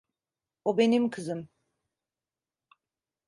O benim kızım.